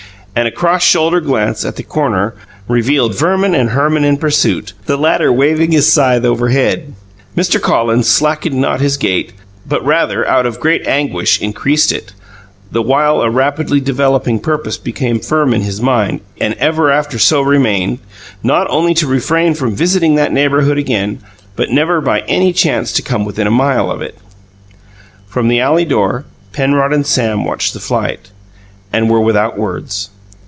And a 'cross shoulder glance, at the corner, revealing Verman and Herman in pursuit, the latter waving his scythe overhead, Mr. Collins slackened not his gait, but, rather, out of great anguish, increased it; the while a rapidly developing purpose became firm in his mind and ever after so remained not only to refrain from visiting that neighbourhood again, but never by any chance to come within a mile of it. From the alley door, Penrod and Sam watched the flight, and were without words.